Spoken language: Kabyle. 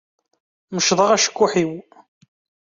Mecḍeɣ acekkuḥ-iw.